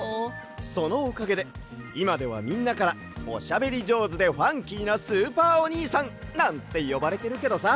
そのおかげでいまではみんなからおしゃべりじょうずでファンキーなスーパーおにいさんなんてよばれてるけどさ。